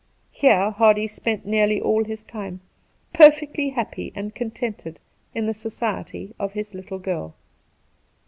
Here Hardy spent nearly all his time, perfectly happy and contented in the society of his ' little girl.'